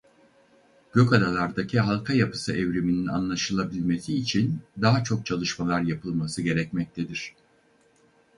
Gökadalardaki halka yapısı evriminin anlaşılabilmesi için daha çok çalışmalar yapılması gerekmektedir.